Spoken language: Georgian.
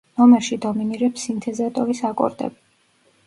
ნომერში დომინირებს სინთეზატორის აკორდები.